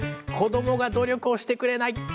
「子どもが努力をしてくれない」。